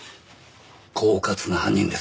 狡猾な犯人です。